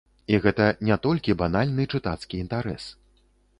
І гэта не толькі банальны чытацкі інтарэс.